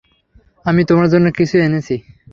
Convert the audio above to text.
আমি তোমার জন্য কিছু এনেছি।